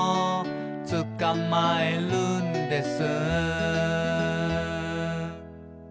「つかまえるんです」